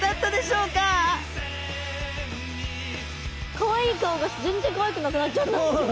かわいい顔が全然かわいくなくなっちゃった。